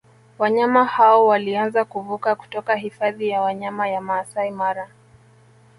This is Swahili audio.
Wanyama hao walianza kuvuka kutoka Hifadhi ya Wanyama ya Maasai Mara